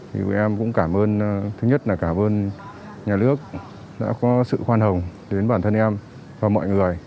thì tụi em cũng cảm ơn thứ nhất là cảm ơn nhà nước đã có sự khoan hồng đến bản thân em và mọi người